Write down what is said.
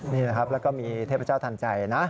นี่นะครับแล้วก็มีเทพเจ้าทันใจนะ